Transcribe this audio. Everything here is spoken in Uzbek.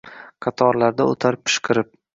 Qatorlarda o‘tar pishqirib.